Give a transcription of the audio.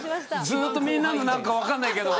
ずっとみんなの何か分からないけど。